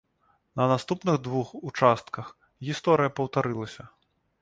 На наступных двух участках гісторыя паўтарылася.